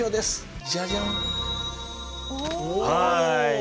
はい。